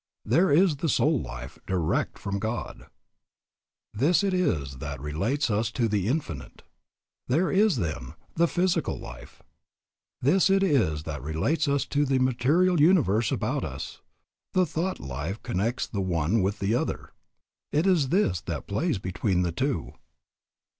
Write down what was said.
There is the soul life, direct from God. This it is that relates us to the Infinite. There is, then, the physical life. This it is that relates us to the material universe about us. The thought life connects the one with the other. It is this that plays between the two.